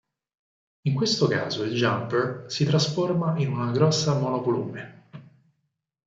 In questo caso il Jumper si trasforma in una grossa monovolume.